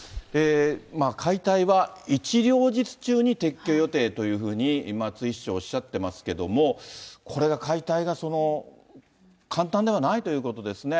解体は一両日中に撤去予定というふうに、松井市長おっしゃってますけども、これ、解体が簡単ではないということですね。